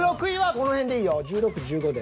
この辺でいいよ１６１５で。